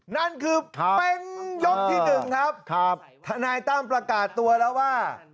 นั่นคือเป็นยกที่๑ครับทนายตั้มประกาศตัวแล้วว่า